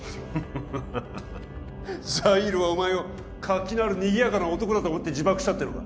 ハハハハハザイールはお前を活気のあるにぎやかな男だと思って自爆したっていうのか？